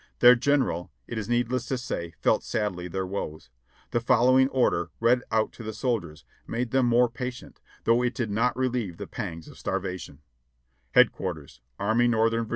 Their General, it is needless to say, felt sadly their woes. The following order, read out to the soldiers, made them more patient, though it did not relieve the pangs of starvation : "Headquarters, Army Northern Va.